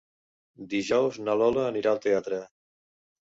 Dijous na Lola anirà al teatre.